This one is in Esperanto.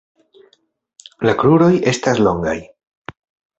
La kruroj estas longaj.